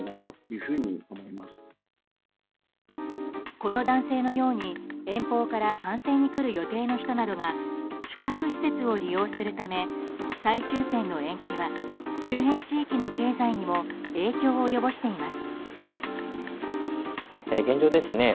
この男性のように遠方から観戦に来る予定の人などが宿泊施設を利用するため再抽選の延期は周辺地域の経済にも影響を及ぼしています。